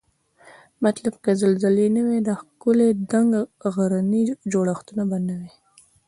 مطلب که زلزلې نه وای دا ښکلي دنګ غرني جوړښتونه به نوای